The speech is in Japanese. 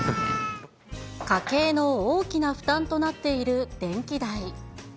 家計の大きな負担となっている電気代。